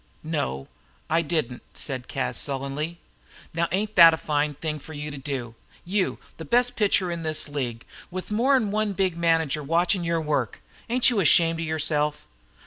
"No, I didn't," said Cas, sullenly. "Now, ain't that a fine thing for you to do? You, the best pitcher in this league, with more 'n one big manager watchin' your work! Ain't you ashamed of yourself?"